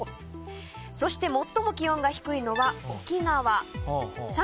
そして最も気温が低いのは沖縄。